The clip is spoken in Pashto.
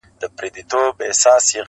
نه له واسکټه اندېښنه نه له بمونو وېره!!